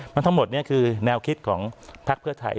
มันทั้งหมดนี้คือแนวคิดของพักเพื่อไทย